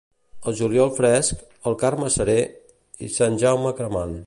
El juliol fresc, el Carme seré i Sant Jaume cremant.